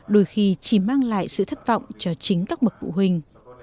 đôi khi chỉ mang lại sự thất vọng cho chính các bậc phụ huynh